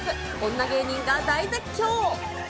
女芸人が大絶叫。